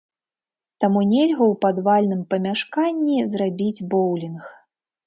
Таму нельга ў падвальным памяшканні зрабіць боўлінг.